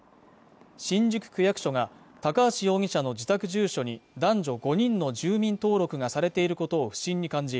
新宿区役所が高橋容疑者の自宅住所に男女５人の住民登録がされていることを不審に感じ